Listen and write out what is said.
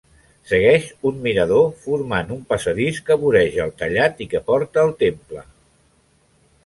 Segueix un mirador formant un passadís que voreja el tallat i que porta al temple.